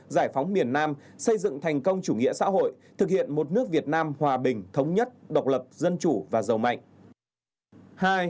giải phóng miền nam xây dựng thành công chủ nghĩa xã hội thực hiện một nước việt nam hòa bình thống nhất độc lập dân chủ và giàu mạnh